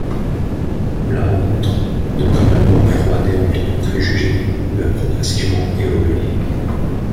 La rencontre, de prime abord froide et emplie de préjugés, va progressivement évoluer.